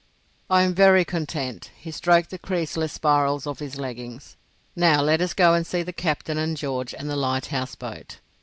"I am very content." He stroked the creaseless spirals of his leggings. "Now let us go and see the captain and George and the lighthouse boat.